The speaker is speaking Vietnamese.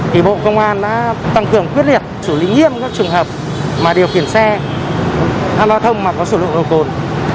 thì bộ công an đã tăng cường quyết liệt xử lý nghiêm các trường hợp mà điều khiển xe tham gia hồ cồn mà có sử dụng hồ cồn